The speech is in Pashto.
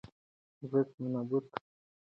بس یو نوبت وو درته مي تېر کړ